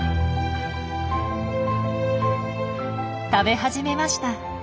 食べ始めました。